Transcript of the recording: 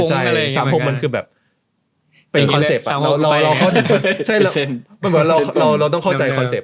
ใช่๓๖มันก็คือแบบเป็นคอนเซปต์เราต้องเข้าใจคอนเซปต์